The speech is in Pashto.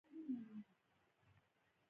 دوی کتابچې او پاکټونه جوړوي.